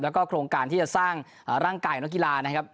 แล้วก็โครงการที่จะสร้างร่างกายของนักกีฬานะครับ